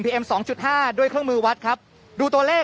เอ็มสองจุดห้าด้วยเครื่องมือวัดครับดูตัวเลข